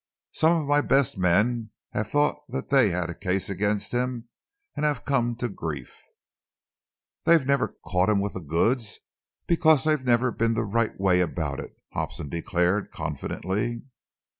Some of my best men have thought that they had a case against him and have come to grief." "They've never caught him with the goods, because they've never been the right way about it," Hobson declared confidently.